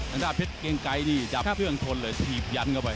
ด้านเพชรเกรงไกรนี่จับเครื่องชนเลยถีบยันเข้าไป